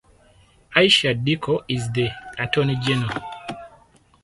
Aisha Dikko is the Attorney General.